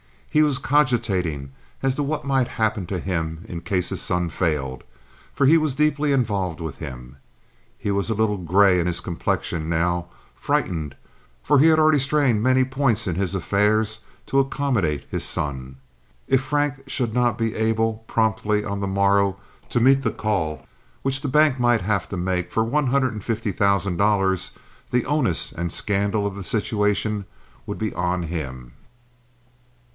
He was cogitating as to what might happen to him in case his son failed, for he was deeply involved with him. He was a little gray in his complexion now, frightened, for he had already strained many points in his affairs to accommodate his son. If Frank should not be able promptly on the morrow to meet the call which the bank might have to make for one hundred and fifty thousand dollars, the onus and scandal of the situation would be on him.